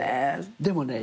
でもね